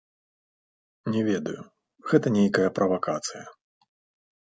Не ведаю, гэта нейкая правакацыя.